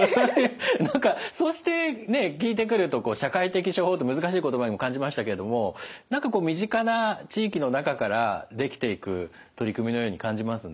何かそうしてね聞いてくると社会的処方って難しい言葉にも感じましたけれども何かこう身近な地域の中からできていく取り組みのように感じますね。